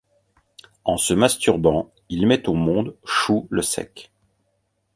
En se masturbant, il met au monde Shou le sec.